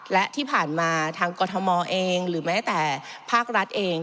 และที่ผ่านมาทางกรทมเองหรือแม้แต่ภาครัฐเอง